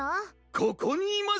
ここにいますぞ！